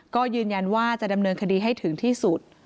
ก็ยืนยันว่าจะดำเนินคดีให้ถึงที่สุด